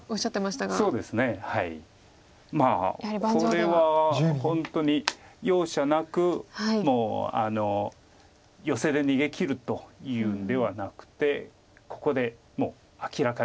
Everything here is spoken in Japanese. これは本当に容赦なくもうヨセで逃げきるというんではなくてここでもう明らかに。